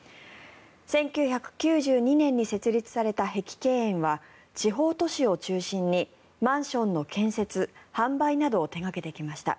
１９９２年に設立された碧桂園は地方都市を中心にマンションの建設・販売などを手掛けてきました。